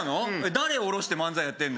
誰を降ろして漫才やってるの？